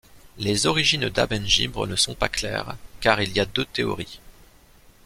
Les origines d'Abengibre ne sont pas claires, car il y a deux théories.